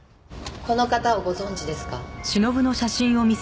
この方をご存じですか？